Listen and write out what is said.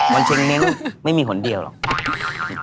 วันเชงเม้งก์ไม่มีผลเดียวหรอก